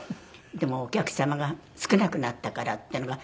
でもお客様が少なくなったからっていうのが。